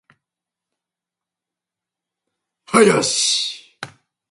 林